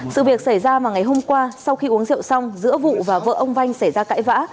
sự việc xảy ra vào ngày hôm qua sau khi uống rượu xong giữa vụ và vợ ông vanh xảy ra cãi vã